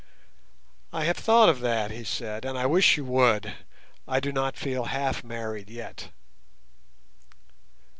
"I have thought of that," he said, "and I wish you would. I do not feel half married yet."